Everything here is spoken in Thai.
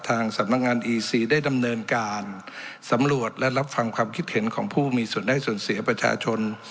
ทางสำนักงานอีซีได้ดำเนินการสำรวจและรับฟังความคิดเห็นของผู้มีส่วนได้ส่วนเสียประชาชน